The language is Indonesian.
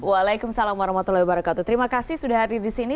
waalaikumsalam warahmatullahi wabarakatuh terima kasih sudah hadir di sini